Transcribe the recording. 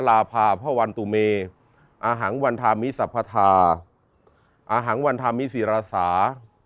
อาหังวันธามิสรภาษาอาหังวันธามิสิรษา